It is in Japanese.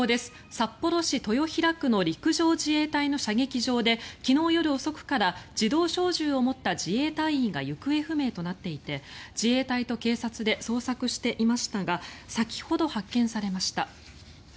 札幌市豊平区の陸上自衛隊の射撃場で昨日夜遅くから自動小銃を持った自衛隊員が行方不明となっていて自衛隊と警察で捜索していましたが先ほど発見されました。